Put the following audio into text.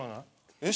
えっ？